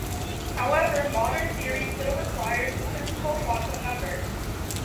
However, modern theory still requires the principal quantum number.